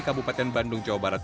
kabupaten bandung jawa barat